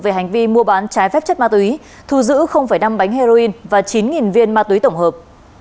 về hành vi mua bán trái phép chất ma túy thu giữ năm bánh heroin và chín viên ma túy tổng hợp